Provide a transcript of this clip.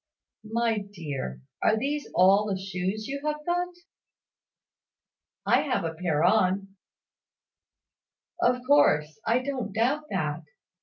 My dear, are these all the shoes you have got?" "I have a pair on." "Of course; I don't doubt that.